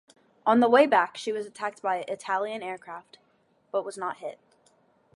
On the way back she was attacked by Italian aircraft, but was not hit.